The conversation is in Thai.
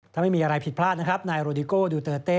ถ้าไม่มีอะไรผิดพลาดนะครับนายโรดิโก้ดูเตอร์เต้